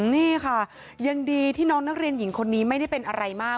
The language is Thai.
นี่ค่ะยังดีที่น้องนักเรียนหญิงคนนี้ไม่ได้เป็นอะไรมาก